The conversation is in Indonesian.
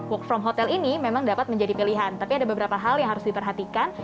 work from hotel ini memang dapat menjadi pilihan tapi ada beberapa hal yang harus diperhatikan